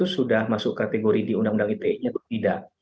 sudah masuk kategori di undang undang ite nya atau tidak